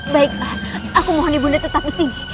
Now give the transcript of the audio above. baik mas aku mohon ibu nda tetap disini